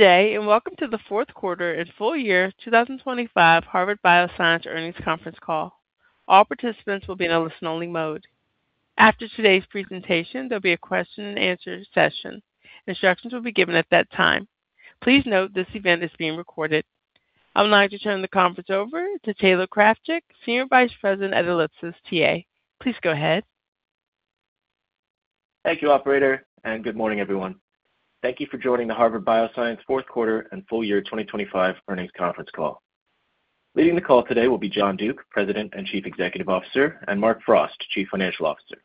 Good day, and welcome to the Fourth Quarter and Full Year 2025 Harvard Bioscience Earnings Conference Call. All participants will be in a listen-only mode. After today's presentation, there'll be a question and answer session. Instructions will be given at that time. Please note this event is being recorded. I would like to turn the conference over to Taylor Krafchik, Senior Vice President at Ellipsis TA. Please go ahead. Thank you, operator, and good morning, everyone. Thank you for joining the Harvard Bioscience Fourth Quarter and Full Year 2025 Earnings Conference Call. Leading the call today will be John Duke, President and Chief Executive Officer, and Mark Frost, Chief Financial Officer.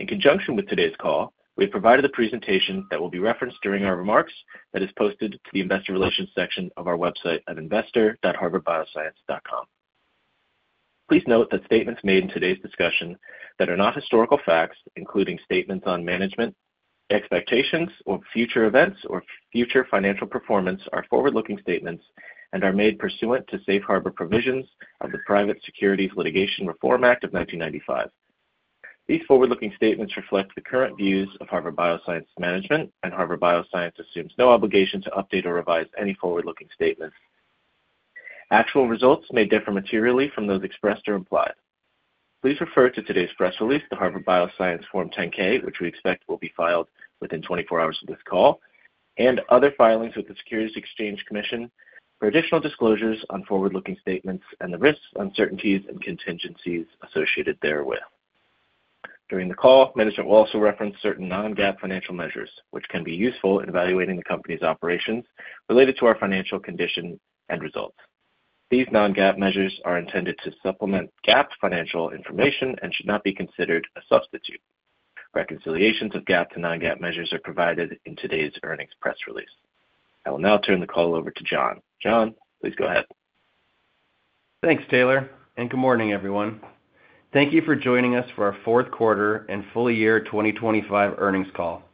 In conjunction with today's call, we have provided a presentation that will be referenced during our remarks that is posted to the investor relations section of our website at investor.harvardbioscience.com. Please note that statements made in today's discussion that are not historical facts, including statements on management expectations or future events or future financial performance, are forward-looking statements and are made pursuant to Safe Harbor provisions of the Private Securities Litigation Reform Act of 1995. These forward-looking statements reflect the current views of Harvard Bioscience management, and Harvard Bioscience assumes no obligation to update or revise any forward-looking statements. Actual results may differ materially from those expressed or implied. Please refer to today's press release, the Harvard Bioscience Form 10-K, which we expect will be filed within 24 hours of this call, and other filings with the Securities and Exchange Commission for additional disclosures on forward-looking statements and the risks, uncertainties and contingencies associated therewith. During the call, management will also reference certain non-GAAP financial measures which can be useful in evaluating the company's operations related to our financial condition and results. These non-GAAP measures are intended to supplement GAAP financial information and should not be considered a substitute. Reconciliations of GAAP to non-GAAP measures are provided in today's earnings press release. I will now turn the call over to John. John, please go ahead. Thanks, Taylor, and good morning, everyone. Thank you for joining us for our Fourth Quarter and Full Year 2025 Earnings Call.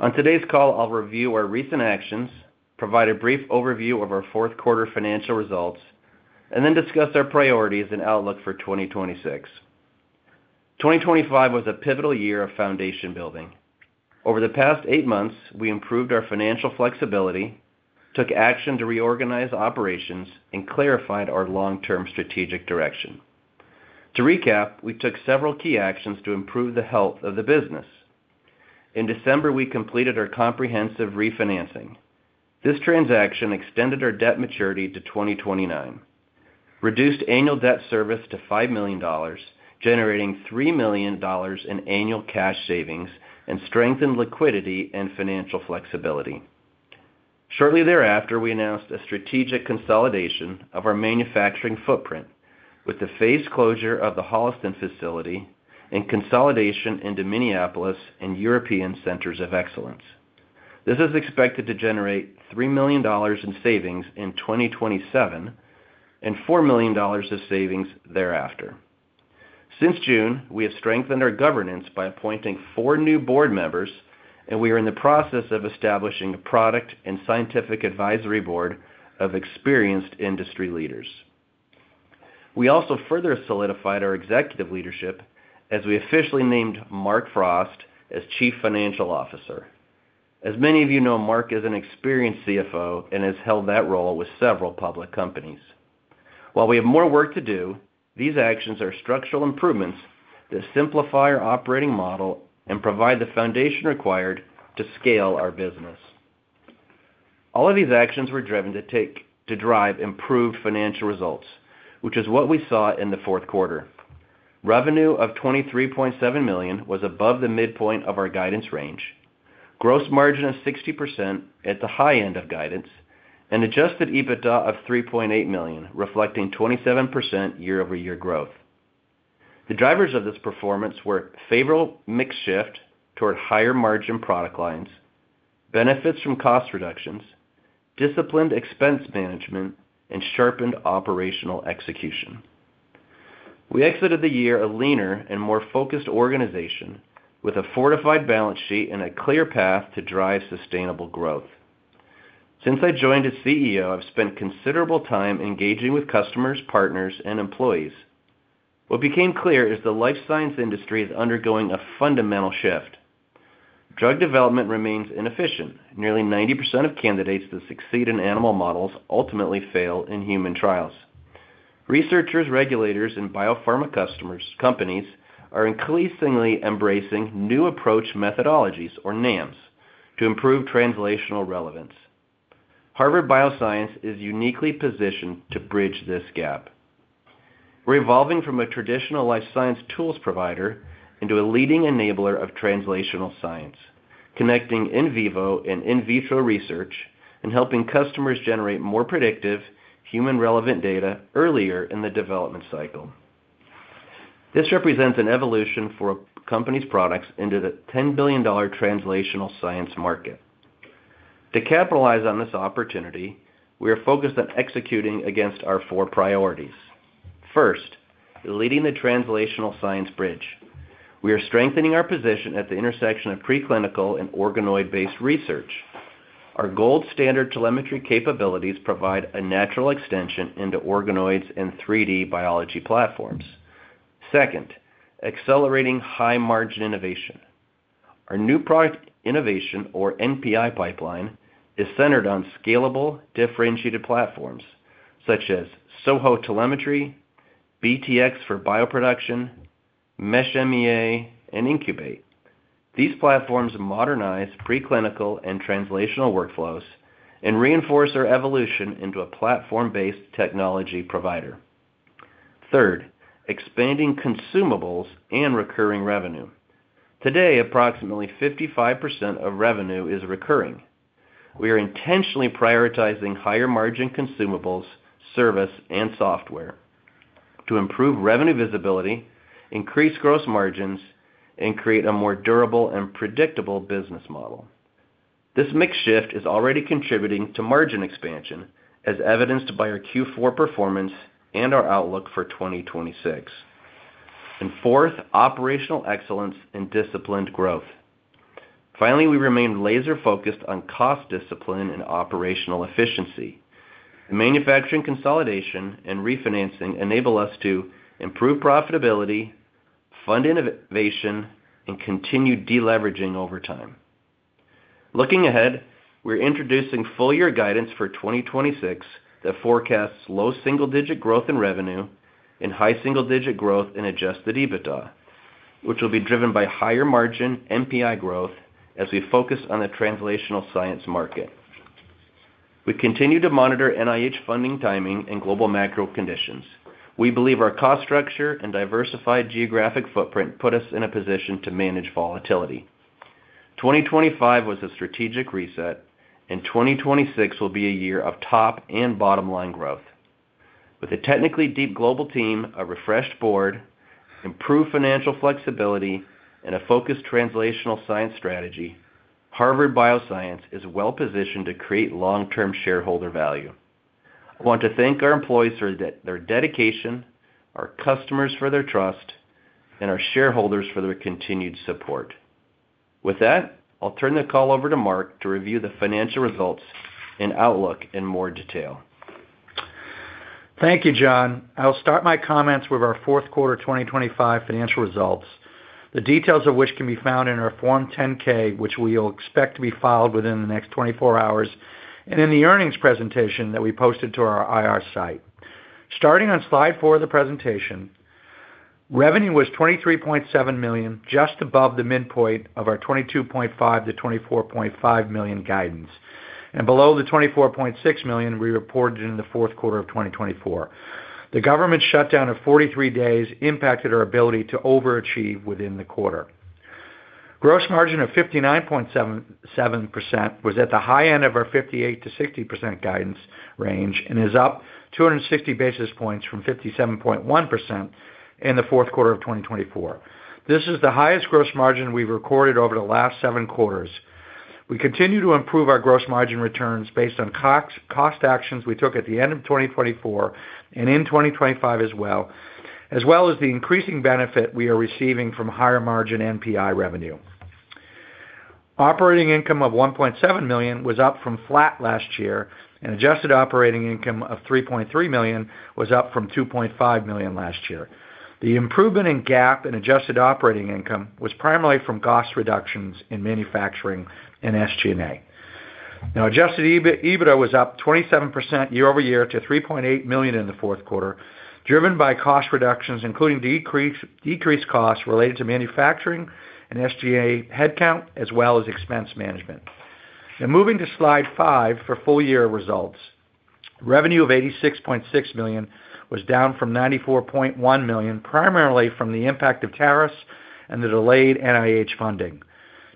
On today's call, I'll review our recent actions, provide a brief overview of our fourth quarter financial results, and then discuss our priorities and outlook for 2026. 2025 was a pivotal year of foundation building. Over the past eight months, we improved our financial flexibility, took action to reorganize operations and clarified our long-term strategic direction. To recap, we took several key actions to improve the health of the business. In December, we completed our comprehensive refinancing. This transaction extended our debt maturity to 2029, reduced annual debt service to $5 million, generating $3 million in annual cash savings and strengthened liquidity and financial flexibility. Shortly thereafter, we announced a strategic consolidation of our manufacturing footprint with the phased closure of the Holliston facility and consolidation into Minneapolis and European centers of excellence. This is expected to generate $3 million in savings in 2027 and $4 million in savings thereafter. Since June, we have strengthened our governance by appointing four new board members, and we are in the process of establishing a product and scientific advisory board of experienced industry leaders. We also further solidified our executive leadership as we officially named Mark Frost as Chief Financial Officer. As many of you know, Mark is an experienced CFO and has held that role with several public companies. While we have more work to do, these actions are structural improvements that simplify our operating model and provide the foundation required to scale our business. All of these actions were driven to drive improved financial results, which is what we saw in the fourth quarter. Revenue of $23.7 million was above the midpoint of our guidance range. Gross margin of 60% at the high end of guidance and adjusted EBITDA of $3.8 million, reflecting 27% year-over-year growth. The drivers of this performance were favorable mix shift toward higher margin product lines, benefits from cost reductions, disciplined expense management and sharpened operational execution. We exited the year a leaner and more focused organization with a fortified balance sheet and a clear path to drive sustainable growth. Since I joined as CEO, I've spent considerable time engaging with customers, partners and employees. What became clear is the life science industry is undergoing a fundamental shift. Drug development remains inefficient. Nearly 90% of candidates that succeed in animal models ultimately fail in human trials. Researchers, regulators, and biopharma customers, companies are increasingly embracing New Approach Methodologies, or NAMs, to improve translational relevance. Harvard Bioscience is uniquely positioned to bridge this gap. We're evolving from a traditional life science tools provider into a leading enabler of translational science, connecting in vivo and in vitro research and helping customers generate more predictive, human relevant data earlier in the development cycle. This represents an evolution for a company's products into the $10 billion translational science market. To capitalize on this opportunity, we are focused on executing against our four priorities. First, leading the translational science bridge. We are strengthening our position at the intersection of preclinical and organoid-based research. Our gold standard telemetry capabilities provide a natural extension into organoids and 3D biology platforms. Second, accelerating high margin innovation. Our new product innovation or NPI pipeline is centered on scalable, differentiated platforms such as SoHo Telemetry, BTX for bioproduction, Mesh MEA and Incub8. These platforms modernize preclinical and translational workflows and reinforce our evolution into a platform-based technology provider. Third, expanding consumables and recurring revenue. Today, approximately 55% of revenue is recurring. We are intentionally prioritizing higher margin consumables, service and software to improve revenue visibility, increase gross margins and create a more durable and predictable business model. This mix shift is already contributing to margin expansion, as evidenced by our Q4 performance and our outlook for 2026. Fourth, operational excellence and disciplined growth. Finally, we remain laser focused on cost discipline and operational efficiency. Manufacturing consolidation and refinancing enable us to improve profitability, fund innovation and continue deleveraging over time. Looking ahead, we're introducing full year guidance for 2026 that forecasts low single-digit growth in revenue and high single-digit growth in adjusted EBITDA, which will be driven by higher margin NPI growth as we focus on the translational science market. We continue to monitor NIH funding timing and global macro conditions. We believe our cost structure and diversified geographic footprint put us in a position to manage volatility. 2025 was a strategic reset, and 2026 will be a year of top and bottom line growth. With a technically deep global team, a refreshed board, improved financial flexibility, and a focused translational science strategy, Harvard Bioscience is well positioned to create long term shareholder value. I want to thank our employees for their dedication, our customers for their trust, and our shareholders for their continued support. With that, I'll turn the call over to Mark to review the financial results and outlook in more detail. Thank you, John. I'll start my comments with our fourth quarter 2025 financial results, the details of which can be found in our Form 10-K, which we will expect to be filed within the next 24 hours, and in the earnings presentation that we posted to our IR site. Starting on slide four of the presentation, revenue was $23.7 million, just above the midpoint of our $22.5 million-$24.5 million guidance and below the $24.6 million we reported in the fourth quarter of 2024. The government shutdown of 43 days impacted our ability to overachieve within the quarter. Gross margin of 59.77% was at the high end of our 58%-60% guidance range and is up 260 basis points from 57.1% in the fourth quarter of 2024. This is the highest gross margin we've recorded over the last seven quarters. We continue to improve our gross margin returns based on cost actions we took at the end of 2024 and in 2025 as well as the increasing benefit we are receiving from higher margin NPI revenue. Operating income of $1.7 million was up from flat last year, and adjusted operating income of $3.3 million was up from $2.5 million last year. The improvement in GAAP and adjusted operating income was primarily from cost reductions in manufacturing and SG&A. Now adjusted EBITDA was up 27% year-over-year to $3.8 million in the fourth quarter, driven by cost reductions including decreased costs related to manufacturing and SG&A headcount as well as expense management. Now moving to slide five for full year results. Revenue of $86.6 million was down from $94.1 million, primarily from the impact of tariffs and the delayed NIH funding.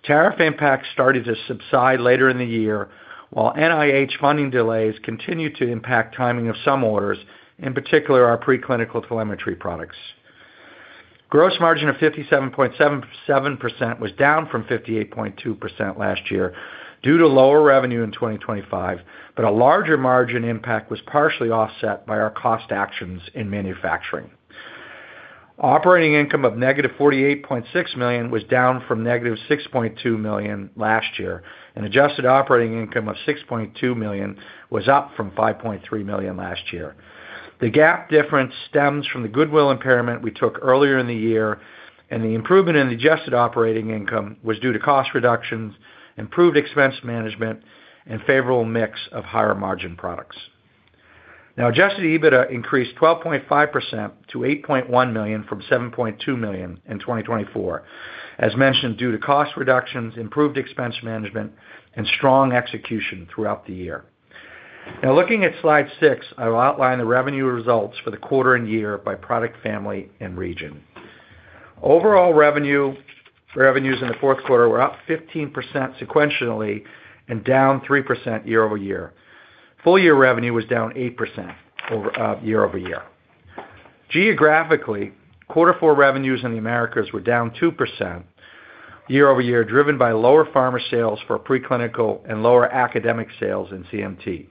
Tariff impact started to subside later in the year, while NIH funding delays continued to impact timing of some orders, in particular our preclinical telemetry products. Gross margin of 57.77% was down from 58.2% last year due to lower revenue in 2025, but a larger margin impact was partially offset by our cost actions in manufacturing. Operating income of -$48.6 million was down from -$6.2 million last year, and adjusted operating income of $6.2 million was up from $5.3 million last year. The GAAP difference stems from the goodwill impairment we took earlier in the year, and the improvement in adjusted operating income was due to cost reductions, improved expense management and favorable mix of higher margin products. Now adjusted EBITDA increased 12.5% to $8.1 million from $7.2 million in 2024, as mentioned, due to cost reductions, improved expense management and strong execution throughout the year. Now looking at slide six, I will outline the revenue results for the quarter and year by product, family and region. Overall revenue, revenues in the fourth quarter were up 15% sequentially and down 3% year-over-year. Full year revenue was down 8% over year-over-year. Geographically, quarter four revenues in the Americas were down 2% year-over-year, driven by lower pharma sales for preclinical and lower academic sales in CMT.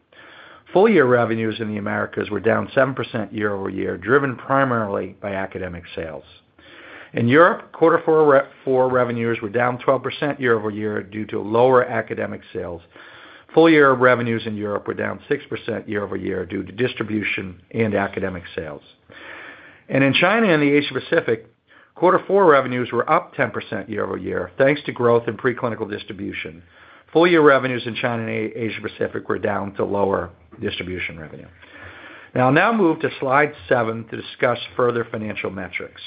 Full year revenues in the Americas were down 7% year-over-year, driven primarily by academic sales. In Europe, quarter four revenues were down 12% year-over-year due to lower academic sales. Full year revenues in Europe were down 6% year-over-year due to distribution and academic sales. In China and the Asia Pacific, quarter four revenues were up 10% year-over-year, thanks to growth in preclinical distribution. Full year revenues in China and Asia Pacific were down due to lower distribution revenue. Now I'll move to slide seven to discuss further financial metrics.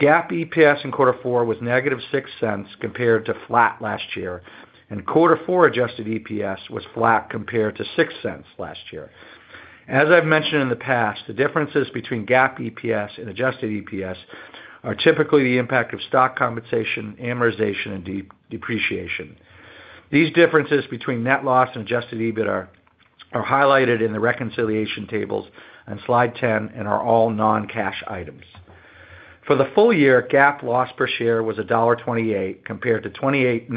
GAAP EPS in quarter four was -$0.06 compared to flat last year, and quarter four adjusted EPS was flat compared to $0.06 last year. As I've mentioned in the past, the differences between GAAP EPS and adjusted EPS are typically the impact of stock compensation, amortization, and depreciation. These differences between net loss and adjusted EBIT are highlighted in the reconciliation tables on slide 10 and are all non-cash items. For the full year, GAAP loss per share was $1.28, compared to -$0.28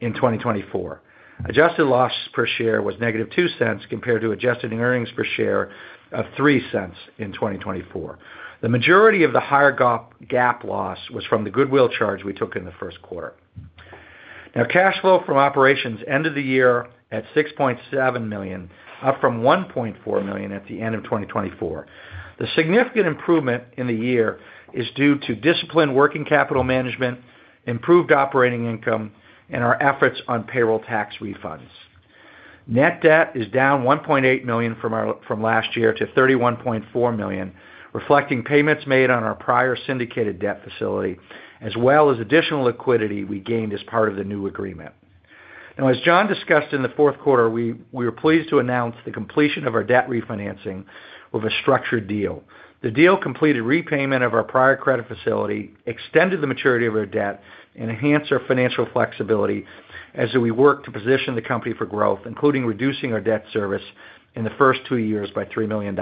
in 2024. Adjusted loss per share was -$0.02 compared to adjusted earnings per share of $0.03 in 2024. The majority of the higher GAAP loss was from the goodwill charge we took in the first quarter. Cash flow from operations ended the year at $6.7 million, up from $1.4 million at the end of 2024. The significant improvement in the year is due to disciplined working capital management, improved operating income, and our efforts on payroll tax refunds. Net debt is down $1.8 million from last year to $31.4 million, reflecting payments made on our prior syndicated debt facility, as well as additional liquidity we gained as part of the new agreement. Now, as John discussed in the fourth quarter, we were pleased to announce the completion of our debt refinancing with a structured deal. The deal completed repayment of our prior credit facility, extended the maturity of our debt, and enhanced our financial flexibility as we work to position the company for growth, including reducing our debt service in the first two years by $3 million.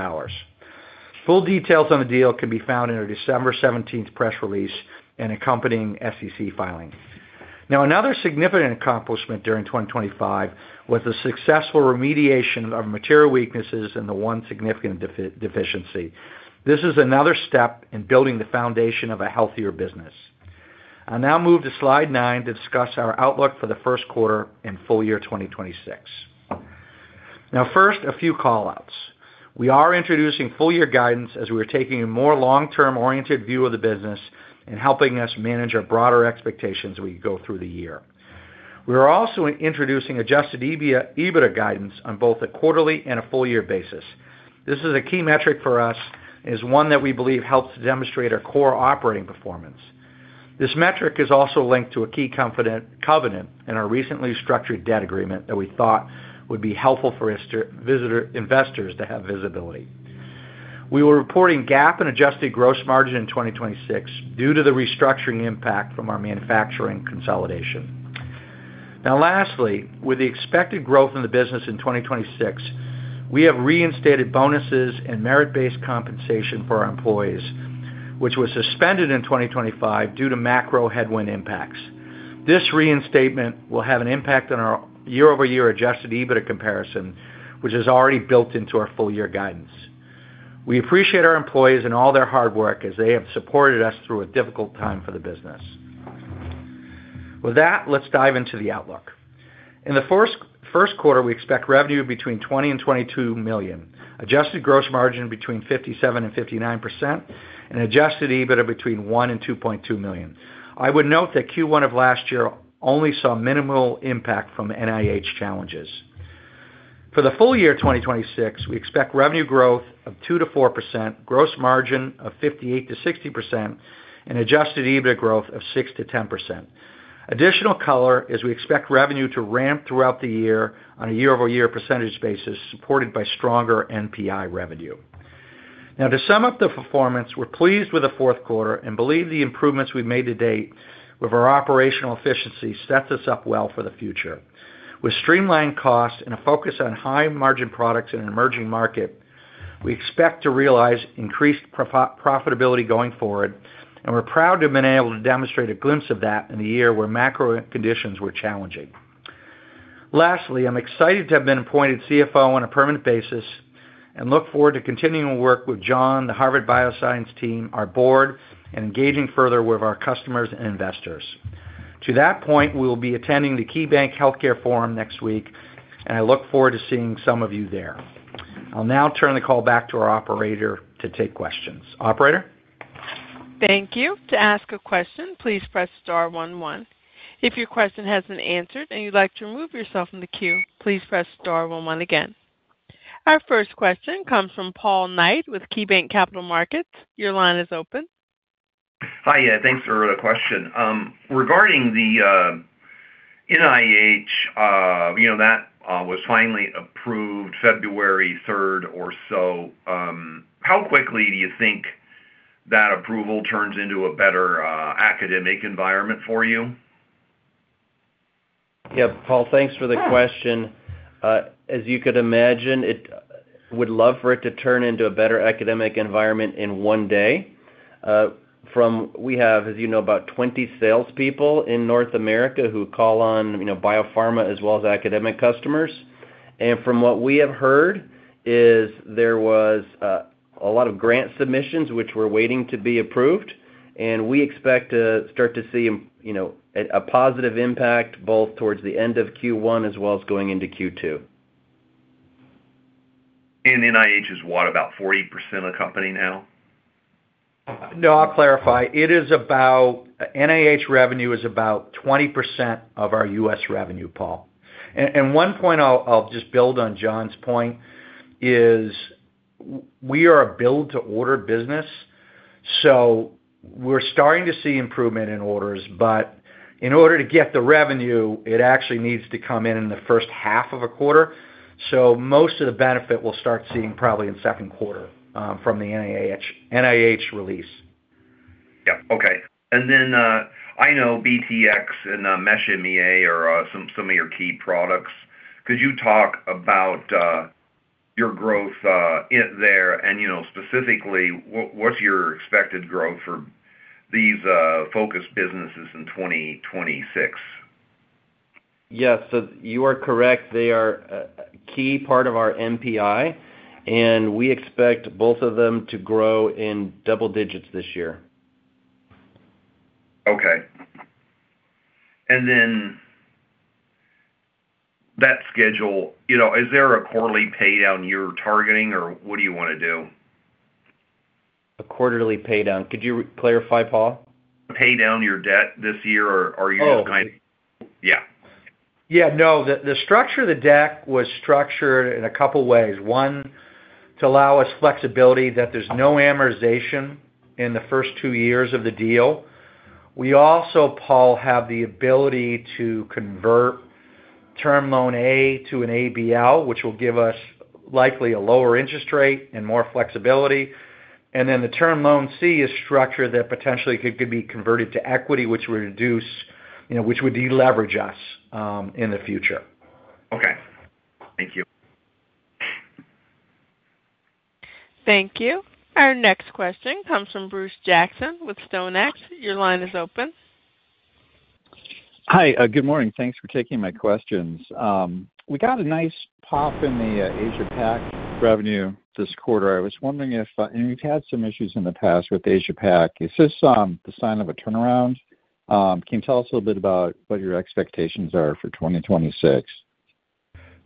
Full details on the deal can be found in our December 17th press release and accompanying SEC filing. Now, another significant accomplishment during 2025 was the successful remediation of material weaknesses and the one significant deficiency. This is another step in building the foundation of a healthier business. I'll now move to slide nine to discuss our outlook for the first quarter and full year 2026. Now first, a few call-outs. We are introducing full year guidance as we are taking a more long-term oriented view of the business and helping us manage our broader expectations as we go through the year. We are also introducing adjusted EBITDA guidance on both a quarterly and a full year basis. This is a key metric for us, as one that we believe helps demonstrate our core operating performance. This metric is also linked to a key covenant in our recently structured debt agreement that we thought would be helpful for investors to have visibility. We were reporting GAAP and adjusted gross margin in 2026 due to the restructuring impact from our manufacturing consolidation. Now lastly, with the expected growth in the business in 2026, we have reinstated bonuses and merit-based compensation for our employees, which was suspended in 2025 due to macro headwind impacts. This reinstatement will have an impact on our year-over-year adjusted EBITDA comparison, which is already built into our full year guidance. We appreciate our employees and all their hard work as they have supported us through a difficult time for the business. With that, let's dive into the outlook. In the first quarter, we expect revenue between $20 million and $22 million, adjusted gross margin between 57% and 59%, and adjusted EBITDA between $1 million and $2.2 million. I would note that Q1 of last year only saw minimal impact from NIH challenges. For the full year 2026, we expect revenue growth of 2%-4%, gross margin of 58%-60%, and adjusted EBIT growth of 6%-10%. Additional color as we expect revenue to ramp throughout the year on a year-over-year percentage basis, supported by stronger NPI revenue. Now to sum up the performance, we're pleased with the fourth quarter and believe the improvements we've made to date with our operational efficiency sets us up well for the future. With streamlined costs and a focus on high margin products in an emerging market, we expect to realize increased profitability going forward, and we're proud to have been able to demonstrate a glimpse of that in a year where macro conditions were challenging. Lastly, I'm excited to have been appointed CFO on a permanent basis and look forward to continuing to work with John, the Harvard Bioscience team, our board, and engaging further with our customers and investors. To that point, we'll be attending the KeyBanc Healthcare Forum next week, and I look forward to seeing some of you there. I'll now turn the call back to our operator to take questions. Operator? Thank you. To ask a question, please press star one one. If your question has been answered and you'd like to remove yourself from the queue, please press star one one again. Our first question comes from Paul Knight with KeyBanc Capital Markets. Your line is open. Hi. Yeah, thanks for the question. Regarding the NIH, you know, that was finally approved February 3rd or so. How quickly do you think that approval turns into a better academic environment for you? Yeah. Paul, thanks for the question. As you could imagine, would love for it to turn into a better academic environment in one day. We have, as you know, about 20 salespeople in North America who call on, you know, biopharma as well as academic customers. From what we have heard, there was a lot of grant submissions which were waiting to be approved, and we expect to start to see, you know, a positive impact both towards the end of Q1 as well as going into Q2. NIH is what? About 40% of the company now? No, I'll clarify. It is about NIH revenue is about 20% of our U.S. revenue, Paul. One point I'll just build on John's point, is we are a build-to-order business, so we're starting to see improvement in orders. In order to get the revenue, it actually needs to come in in the first half of a quarter. Most of the benefit we'll start seeing probably in second quarter from the NIH release. Yeah. Okay. Then, I know BTX and Mesh MEA are some of your key products. Could you talk about your growth in there and, you know, specifically, what's your expected growth for these focus businesses in 2026? Yes. You are correct. They are a key part of our NPI, and we expect both of them to grow in double digits this year. Okay. That schedule, you know, is there a quarterly pay down you're targeting or what do you wanna do? A quarterly pay down? Could you re-clarify, Paul? Pay down your debt this year or are you just kind of? Oh. Yeah. Yeah, no. The structure of the deck was structured in a couple ways. One, to allow us flexibility that there's no amortization in the first two years of the deal. We also, Paul, have the ability to convert Term Loan A to an ABL, which will give us likely a lower interest rate and more flexibility. Then the Term Loan C is structured that potentially could be converted to equity, which would reduce, you know, which would deleverage us in the future. Okay. Thank you. Thank you. Our next question comes from Bruce Jackson with StoneX. Your line is open. Hi. Good morning. Thanks for taking my questions. We got a nice pop in the Asia Pac revenue this quarter. I was wondering if and we've had some issues in the past with Asia Pac, is this the sign of a turnaround? Can you tell us a little bit about what your expectations are for 2026?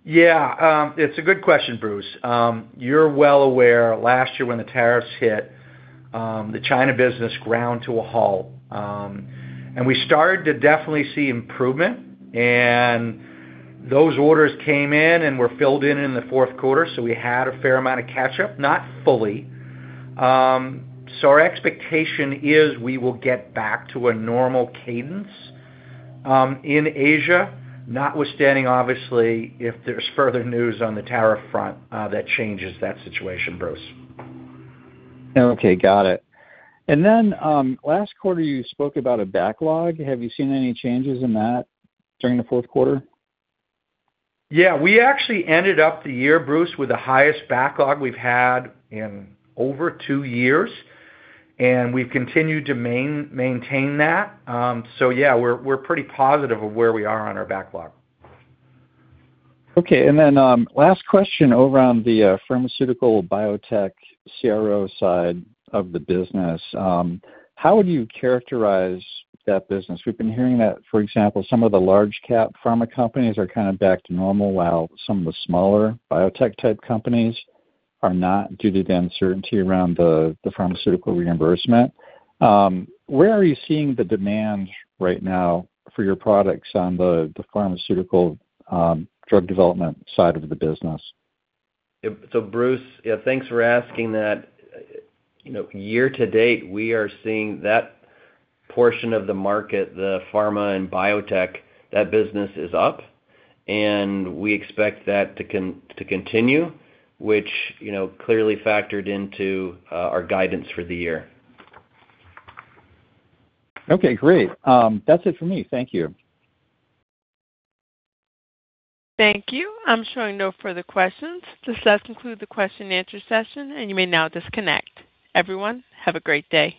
Yeah. It's a good question, Bruce. You're well aware last year when the tariffs hit, the China business ground to a halt. We started to definitely see improvement, and those orders came in and were filled in the fourth quarter, so we had a fair amount of catch up, not fully. Our expectation is we will get back to a normal cadence in Asia, notwithstanding obviously if there's further news on the tariff front that changes that situation, Bruce. Okay. Got it. Last quarter you spoke about a backlog. Have you seen any changes in that during the fourth quarter? Yeah. We actually ended up the year, Bruce, with the highest backlog we've had in over two years, and we've continued to maintain that. Yeah, we're pretty positive of where we are on our backlog. Okay. Last question over on the pharmaceutical biotech CRO side of the business. How would you characterize that business? We've been hearing that, for example, some of the large cap pharma companies are kinda back to normal, while some of the smaller biotech type companies are not due to the uncertainty around the pharmaceutical reimbursement. Where are you seeing the demand right now for your products on the pharmaceutical drug development side of the business? Bruce, yeah, thanks for asking that. You know, year-to-date, we are seeing that portion of the market, the pharma and biotech, that business is up, and we expect that to continue, which, you know, clearly factored into our guidance for the year. Okay, great. That's it for me. Thank you. Thank you. I'm showing no further questions. This does conclude the question and answer session, and you may now disconnect. Everyone, have a great day.